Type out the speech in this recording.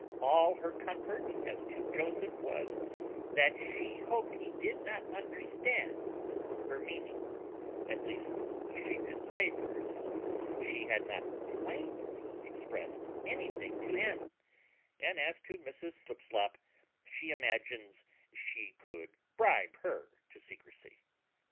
All her comfort as to Joseph was, that she hoped he did not understand her meaning; at least she could say for herself, she had not plainly expressed anything to him; and as to Mrs Slipslop, she imagines she could bribe her to secrecy.